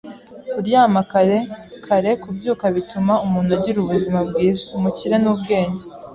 Kuryama kare, kare kubyuka bituma umuntu agira ubuzima bwiza, umukire nubwenge.